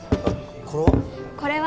これは？